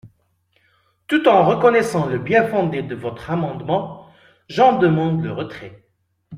Tout en reconnaissant le bien-fondé de votre amendement, j’en demande le retrait.